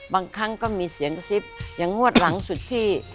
บางครั้งก็มีเสียงกระซิบอย่างงวดหลังสุดที่